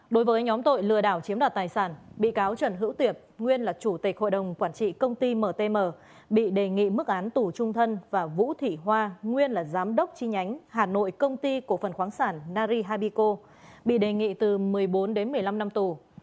đối với nhóm tội lừa đảo chiếm đoạt tài sản bị cáo trần hữu tiệp nguyên là chủ tịch hội đồng quản trị công ty mtm bị đề nghị mức án tù trung thân và vũ thị hoa nguyên là giám đốc chi nhánh hà nội công ty cổ phần khoáng sản nari habico bị đề nghị từ một mươi bốn đến một mươi năm năm tù